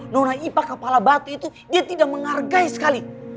nurna ipa kepala batu itu dia tidak menghargai sekali